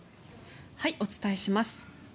お伝えします。